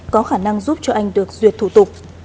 có khả năng giúp cho anh được duyệt thủ tục